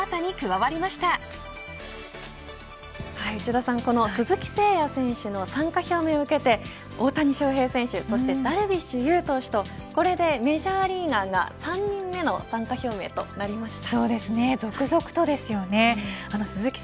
はい内田さん、この鈴木誠也選手の参加表明を受けて大谷翔平選手そしてダルビッシュ有投手とこれでメジャーリーガーが３人目の参加表明となりました。